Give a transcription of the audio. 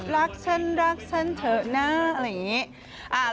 รักฉันรักฉันเถอะนะอะไรอย่างนี้